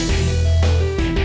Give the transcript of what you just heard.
liat gue cabut ya